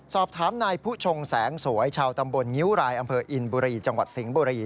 สอบถามนายผู้ชงแสงสวยชาวตำบลงิ้วรายอำเภออินบุรีจังหวัดสิงห์บุรี